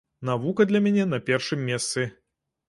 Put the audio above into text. Навука для мяне на першым месцы.